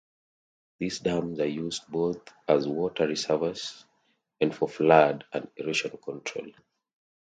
These dams are used both as water reservoirs and for flood and erosion control.